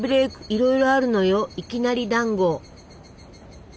いろいろあるのよいきなりだんご！